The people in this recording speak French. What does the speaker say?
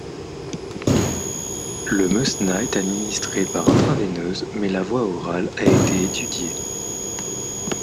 Le mesna est administré par intraveineuse, mais la voie orale a été étudiée.